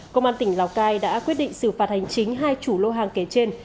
công an tỉnh lào cai đã quyết định xử phạt hành chính hai chủ lô hàng kể trên